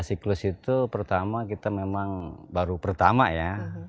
siklus itu pertama kita memang baru pertama ya